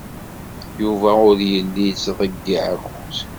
Yuba ur yelli yettḍeyyiɛ akud.